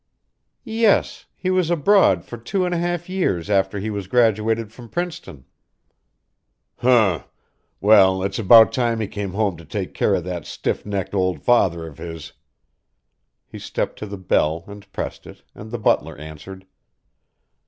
"Yes; he was abroad for two years after he was graduated from Princeton." "Hum m m! Well, it's about time he came home to take care of that stiff necked old father of his." He stepped to the bell and pressed it, and the butler answered.